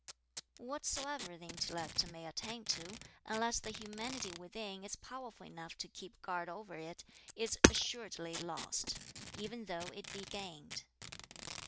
"Whatsoever the intellect may attain to, unless the humanity within is powerful enough to keep guard over it, is assuredly lost, even though it be gained.